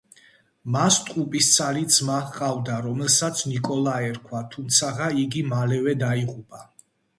მას ტყუპისცალი ძმა ჰყავდა, რომელსაც ნიკოლა ერქვა, თუმცაღა იგი მალევე დაიღუპა.